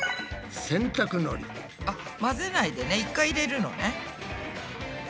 あっ混ぜないでね一回入れるのね。